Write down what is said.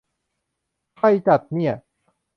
ใครจัดเนี่ย ?